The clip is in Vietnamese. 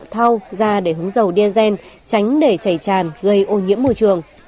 thao ra để hứng dầu diazen tránh để chảy tràn gây ô nhiễm môi trường